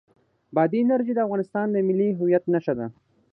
بادي انرژي د افغانستان د ملي هویت نښه ده.